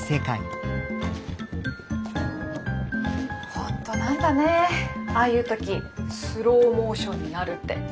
本当なんだねああいう時スローモーションになるって。